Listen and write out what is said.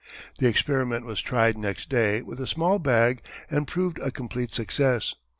The experiment was tried next day with a small bag and proved a complete success.